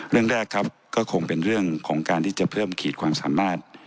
เรื่องแรกครับก็คงเป็นเรื่องของการที่จะเพิ่มขีดความสามารถ